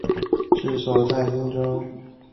治所在今四川南江县南八庙场。